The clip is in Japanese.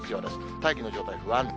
大気の状態不安定。